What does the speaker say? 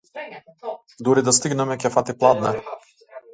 Дури да стигнеме ќе фати пладне.